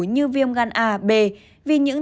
như viêm gan a b vì những